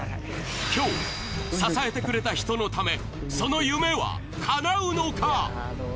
今日、支えてくれた人のためその夢はかなうのか？